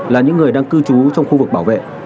là những người đang cư trú trong khu vực bảo vệ